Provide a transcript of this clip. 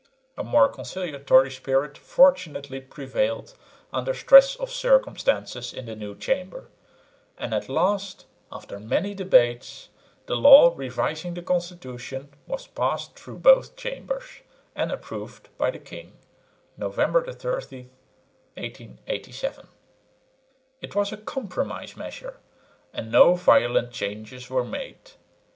A more conciliatory spirit fortunately prevailed under stress of circumstances in the new Chamber; and at last, after many debates, the law revising the constitution was passed through both Chambers, and approved by the king (November 30, 1887). It was a compromise measure, and no violent changes were made.